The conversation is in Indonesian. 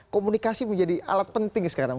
komunikasi menjadi alat penting sekarang